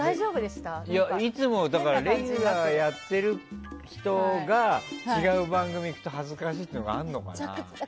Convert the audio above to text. いつもレギュラーやってる人が違う番組に行くと恥ずかしいってあるのかな。